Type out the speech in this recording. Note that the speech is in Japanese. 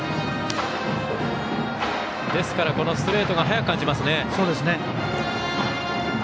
ですからストレートが速く感じますね。